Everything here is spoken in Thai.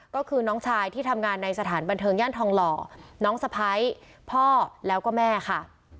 ก็คือน้องชายที่ทำงานในสถานบันเทิงย่านทองหล่อน้องสะพ้ายพ่อแล้วก็แม่ค่ะ